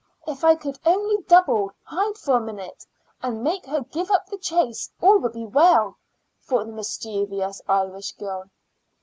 "If I could only double, hide for a minute, and make her give up the chase, all would be well," thought the mischievous Irish girl.